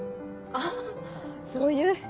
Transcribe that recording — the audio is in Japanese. あっそういう。